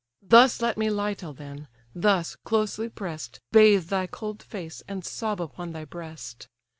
Thus let me lie till then! thus, closely press'd, Bathe thy cold face, and sob upon thy breast!